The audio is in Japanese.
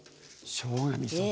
しょうがみそと。